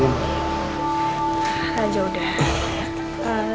ah jauh dah